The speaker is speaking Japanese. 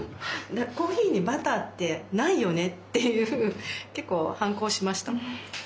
コーヒーにバターってないよねって結構反抗しました。